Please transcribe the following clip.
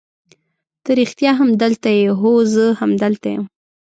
ته رښتیا هم دلته یې؟ هو زه همدلته یم.